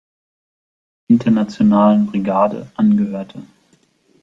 Internationalen Brigade angehörte.